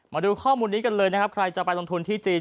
มาดูข้อมูลนี้กันเลยนะครับใครจะไปลงทุนที่จีน